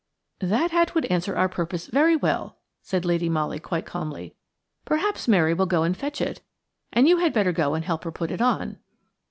"That hat would answer our purpose very well," said Lady Molly, quite calmly. "Perhaps Mary will go and fetch it, and you had better go and help her put it on."